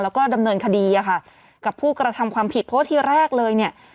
แล้วก็ดำเนินคดีอะค่ะกับผู้กระทำความผิดเพราะว่าที่แรกเลยเนี่ย